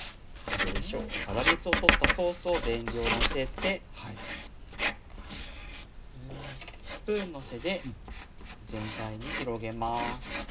粗熱を取ったソースを全量のせてスプーンの背で全体に広げます。